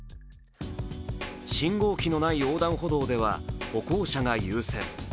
信号機のない横断歩道では歩行者が優先。